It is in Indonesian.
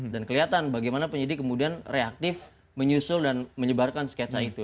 dan kelihatan bagaimana penyidik kemudian reaktif menyusul dan menyebarkan sketsa itu